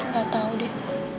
gak tau deh